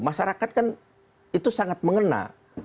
masyarakat itu sangat mengena